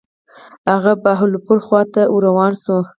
هغه بهاولپور خواته ور روان شو.